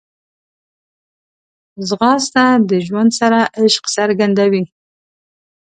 ځغاسته د ژوند سره عشق څرګندوي